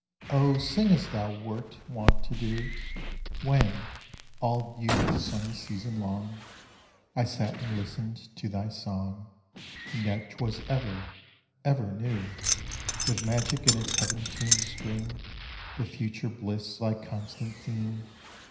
Oh! sing as thou wert wont to do, When, all youth's sunny season long, I sat and listened to thy song, And yet 'twas ever, ever new, With magic in its heaven tuned string The future bliss thy constant theme.